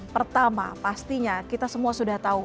pertama pastinya kita semua sudah tahu